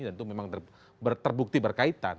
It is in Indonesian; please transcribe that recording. dan itu memang terbukti berkaitan